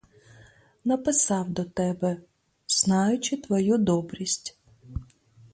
Написав до тебе, знаючи твою добрість.